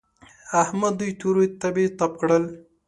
احمد دوی تورې تبې تپ کړل.